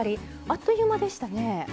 あっという間でしたね。